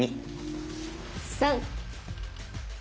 ３！